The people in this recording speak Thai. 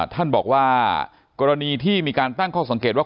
ท่านบอกว่ากรณีที่มีการตั้งข้อสังเกตว่า